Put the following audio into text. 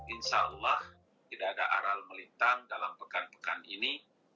insya allah tidak ada aral melintang dalam pekan pekan ini